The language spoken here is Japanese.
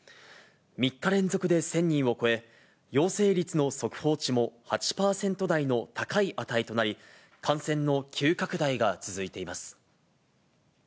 ３日連続で１０００人を超え、陽性率の速報値も８％台の高い値となり、感染の急拡大が続いています。